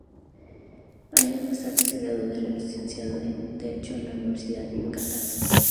Años más tarde se graduó de licenciado en derecho en la Universidad de Yucatán.